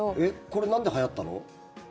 これなんではやったの？